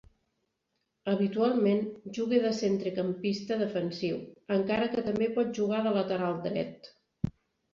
Habitualment juga de centrecampista defensiu, encara que també pot jugar de lateral dret.